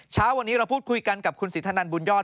เช้าวันนี้เราพูดคุยกันกับคุณสินทนันบุญยอด